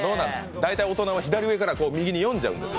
大体、大人は左上から右に読んじゃうんですよ。